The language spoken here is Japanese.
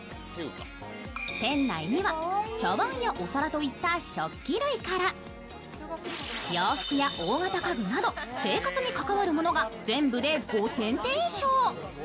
店内には茶わんやお皿といった食器類から洋服や大型家具など生活に関わるものが全部で５０００店以上。